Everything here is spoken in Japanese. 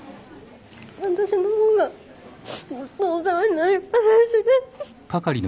私の方がずっとお世話になりっぱなしで。